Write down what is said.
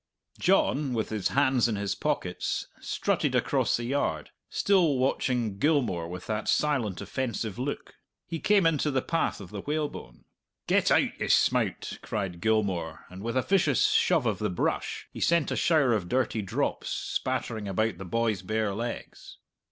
John, with his hands in his pockets, strutted across the yard, still watching Gilmour with that silent, offensive look. He came into the path of the whalebone. "Get out, you smeowt!" cried Gilmour, and with a vicious shove of the brush he sent a shower of dirty drops spattering about the boy's bare legs.